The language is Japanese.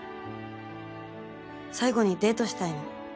最後にデートしたいの。